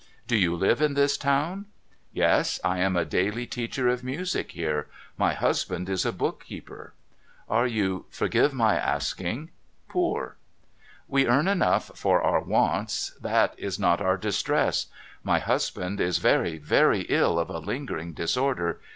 ' Do you live in this town ?'' Yes. I am a daily teacher of music here. My husband is a book keeper.' ' Are you — forgive my asking — poor ?' 'We earn enough for our wants. That is not our distress. My husband is very, very ill of a lingering disorder.